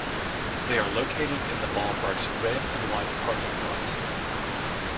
They are located in the ballpark's Red and White parking lots.